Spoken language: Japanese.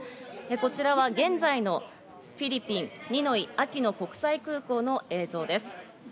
こちらは現在のフィリピン、ニノイ・アキノ国際空港の映像です。